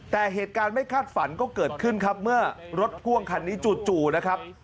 แต่เหตุการณ์ไม่คาดฝันก็เกิดขึ้นครับเมื่อรถพ่วงคันนี้จู่นะครับ